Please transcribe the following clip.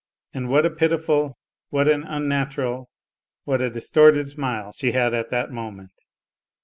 And what a pitiful, what an unnatural, what a distorted smile she had at that moment